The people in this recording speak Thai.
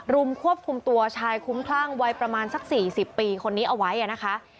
รุมควบคุมตัวชายคุ้มคลั่งวัยประมาณสัก๔๐ปีคนนี้เอาไว้นะคะ